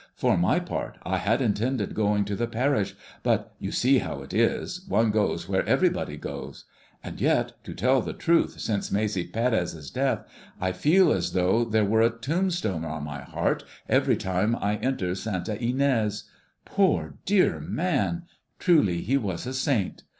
For my part I had intended going to the parish, but you see how it is, one goes where everybody goes. And yet, to tell you the truth, since Maese Pérez's death I feel as though there were a tombstone on my heart every time I enter Santa Inés. Poor dear man! Truly he was a saint.